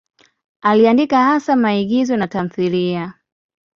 Aliandika hasa maigizo na tamthiliya.